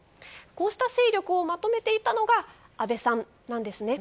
こうした勢力をまとめていたのが安倍さんなんですね。